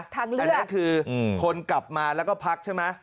ทางเลือกก็คือคนกลับมาแล้วก็พักใช่ไหม